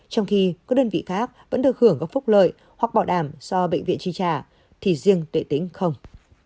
trong khi các đơn vị khác vẫn được hưởng góp phúc lợi hoặc bảo đảm do bệnh viện truy trả thì riêng tự tính không